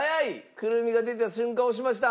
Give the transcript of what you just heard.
くるみが出た瞬間押しました。